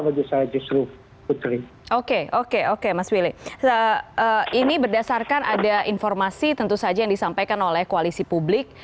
berjasa justru putri oke oke oke mas wili ini berdasarkan ada informasi tentu saja disampaikan oleh koalisi publik